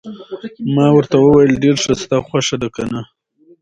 ما ورته وویل: ډېر ښه، ستا خوښه ده، که نه؟